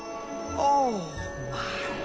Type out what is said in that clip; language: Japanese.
ああ！